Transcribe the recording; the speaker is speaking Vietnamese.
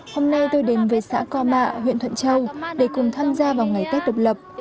hôm nay tôi đến về xã co mạ huyện thuận châu để cùng tham gia vào ngày tết độc lập